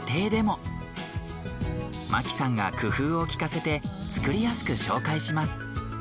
マキさんが工夫をきかせて作りやすく紹介します。